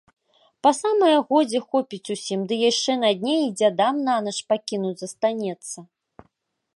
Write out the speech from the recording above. Па самае годзе хопіць усім, ды яшчэ на дне й дзядам нанач пакінуць застанецца.